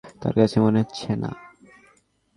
তাঁর কাছে মনে হচ্ছে না।